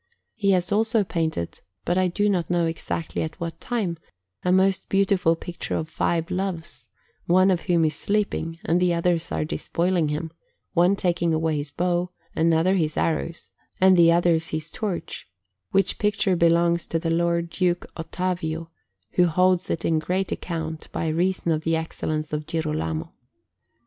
He has also painted but I do not know exactly at what time a most beautiful picture of five Loves, one of whom is sleeping, and the others are despoiling him, one taking away his bow, another his arrows, and the others his torch, which picture belongs to the Lord Duke Ottavio, who holds it in great account by reason of the excellence of Girolamo.